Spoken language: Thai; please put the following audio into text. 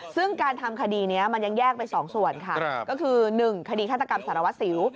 ซึ่งการทำคดีนี้มันยังแยกไป๒ส่วนค่ะก็คือ๑คดีฆาตกรรมสารวัสสิว